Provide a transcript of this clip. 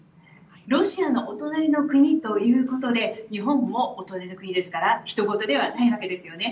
ロシアのお隣の国ということで日本もお隣の国ですからひとごとではないわけですよね。